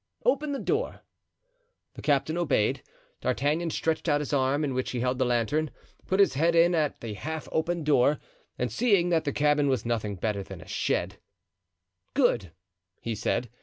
"Open the door." The captain obeyed. D'Artagnan stretched out his arm in which he held the lantern, put his head in at the half opened door, and seeing that the cabin was nothing better than a shed: "Good," he said.